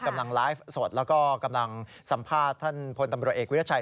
กำลังไลฟ์สดแล้วก็กำลังสัมภาษณ์ท่านพลตำรวจเอกวิทยาชัย